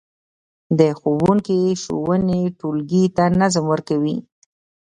د ښوونکي ښوونې ټولګي ته نظم ورکوي.